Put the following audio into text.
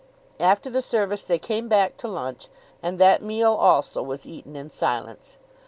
After the service they came back to lunch, and that meal also was eaten in silence.